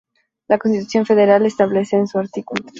La Constitución Federal establece en su artículo.